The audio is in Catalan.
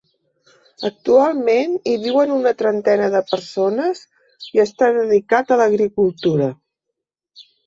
Actualment hi viuen una trentena de persones i està dedicat a l'agricultura.